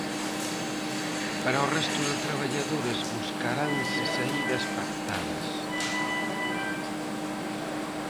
Para o resto de traballadores buscaranse saídas pactadas.